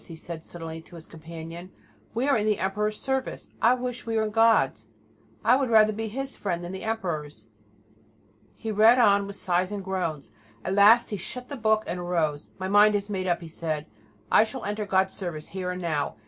he said suddenly to his companion. "We are in the Emperor's service. I wish we were in God's; I had rather be His friend than the Emperor's." He read on, with sighs and groans. At last he shut the book and arose. "My mind is made up," he said; "I shall enter God's service here and now.